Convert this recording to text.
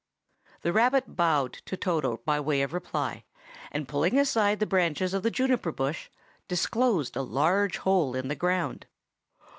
The rabbit bowed to Toto by way of reply, and pulling aside the branches of the juniper bush, disclosed a large hole in the ground.